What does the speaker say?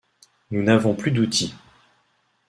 Nous n’avons plus d’outils.